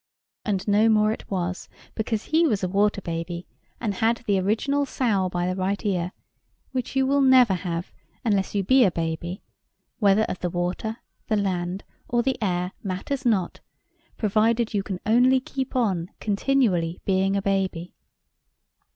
And no more it was, because he was a water baby, and had the original sow by the right ear; which you will never have, unless you be a baby, whether of the water, the land, or the air, matters not, provided you can only keep on continually being a baby.